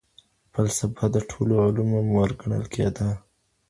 فلسفه د ټولو علومو مور ګڼل کيده.